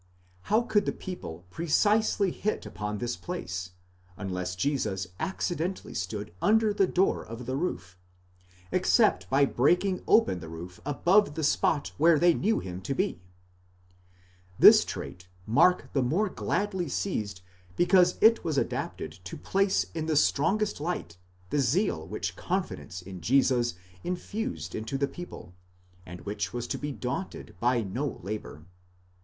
How could the people precisely hit upon this place, unless Jesus accidentally stood under the door of the roof, except by breaking open | the roof above the spot where they knew him to be (ἀπεστέγασαν τὴν στέγην ὅπου ἦν) δ This trait Mark the more gladly seized because it was adapted to place in the strongest light the zeal which confidence in Jesus infused into the people, and which was to be daunted by no labour.